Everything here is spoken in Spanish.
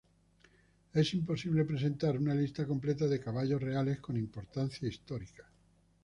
Es imposible presentar una lista completa de caballos reales con importancia histórica.